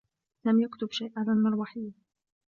لم يكتب شيء على المروحية.